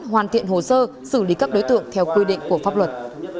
hoàn thiện hồ sơ xử lý các đối tượng theo quy định của pháp luật